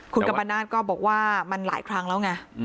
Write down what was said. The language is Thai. คุณกัมปนาศก็บอกว่ามันหลายครั้งแล้วไง